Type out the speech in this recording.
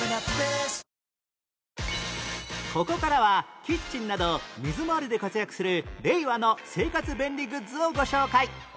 ここからはキッチンなど水回りで活躍する令和の生活便利グッズをご紹介